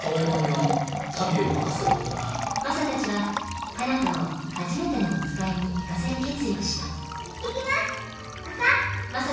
マサたちは佳奈花をはじめてのおつかいに行かせる決意をした行ってきますマサ！